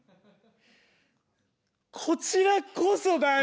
こちらこそだよ！